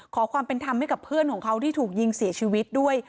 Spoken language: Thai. ขอความเป็นธรรมให้กับเพื่อนของเขาที่ถูกยิงเสียชีวิตด้วย